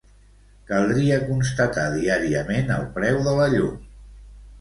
Caldria constatar diàriament el preu de la llum.